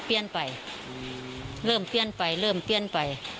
ไปเริ่มเปลี่ยนไปเริ่มเปลี่ยนไป